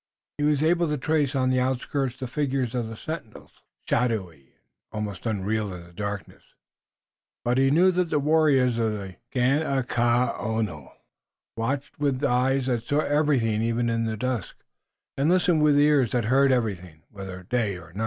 He was able to trace on the outskirts the figures of the sentinels, shadowy and almost unreal in the darkness, but he knew that the warriors of the Ganeagaono watched with eyes that saw everything even in the dusk, and listened with ears that heard everything, whether night or day.